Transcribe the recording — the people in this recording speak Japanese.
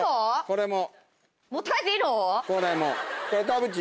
これも。